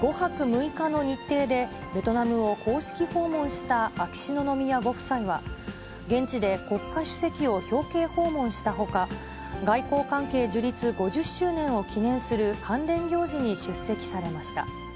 ５泊６日の日程でベトナムを公式訪問した秋篠宮ご夫妻は、現地で国家主席を表敬訪問したほか、外交関係樹立５０周年を記念する関連行事に出席されました。